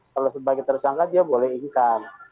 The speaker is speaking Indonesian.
kalau sebagai tersangka dia boleh ingkar